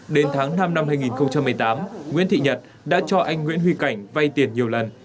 đến tháng năm năm hai nghìn một mươi tám nguyễn thị nhật đã cho anh nguyễn huy cảnh vay tiền nhiều lần